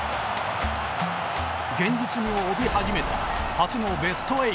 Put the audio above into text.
現実味を帯び始めた初のベスト８。